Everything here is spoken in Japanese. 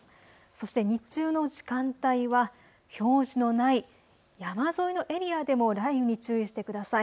そして日中の時間帯は表示のない山沿いのエリアでも雷雨に注意してください。